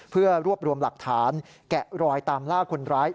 เพื่อรวบรวมหลักฐานแกะรอยตามล่าคนร้าย